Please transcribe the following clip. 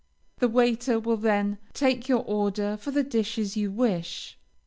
The waiter will then take your order for the dishes you wish.